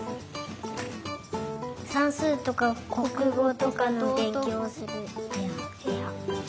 さんすうとかこくごとかのべんきょうをするへや。